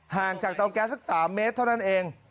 ห่างจากเตาแก๊สสัก๓เมตรเท่านั้นเอง